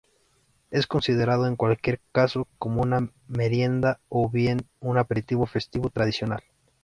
Es considerado en cualquier caso como una merienda o bien un aperitivo festivo tradicional.